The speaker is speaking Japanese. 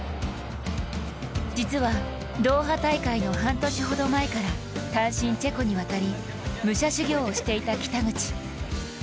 実はドーハ大会の半年ほど前から単身チェコに渡り武者修行をしていた北口。